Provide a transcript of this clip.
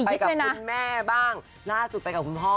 ไปกับคุณแม่บ้างล่าสุดไปกับคุณพ่อ